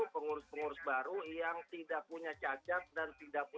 pengurus pengurus baru yang tidak punya cacat dan tidak punya dosa masa lalu